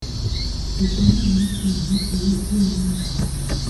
The summer names may not be used in winter.